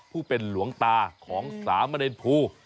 เป็นหลวงตาของสามเณรภู